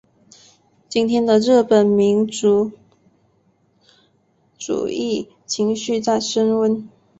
今天的日本民族主义情绪在升温。